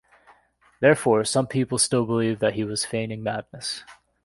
Therefore, some people still believe that he was feigning madness.